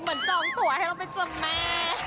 เหมือนจองตั๋วให้เราไปเจอแม่